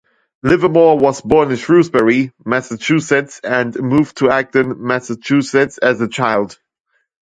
Livermore was born in Shrewsbury, Massachusetts and moved to Acton, Massachusetts as a child.